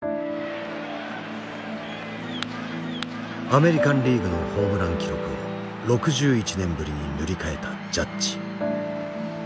アメリカンリーグのホームラン記録を６１年ぶりに塗り替えたジャッジ。